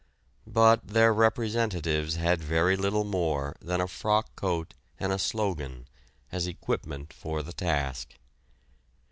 But their representatives had very little more than a frock coat and a slogan as equipment for the task.